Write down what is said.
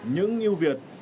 những yêu việt